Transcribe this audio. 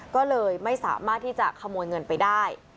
ก็เลยไม่สามารถที่จะขโมยเงินไปได้